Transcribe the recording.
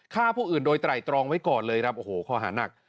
ฆ่าผู้อื่นโดยไตรตรองไว้ก่อนเลยครับโอ้โหข้อหานัก